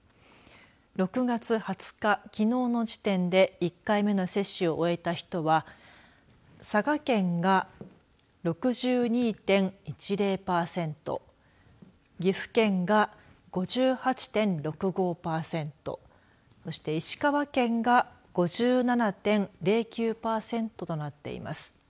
６月２０日、きのうの時点で１回目の接種を終えた人は佐賀県が６２．１０パーセント岐阜県が５８．６５パーセントそして石川県が５７．０９パーセントとなっています。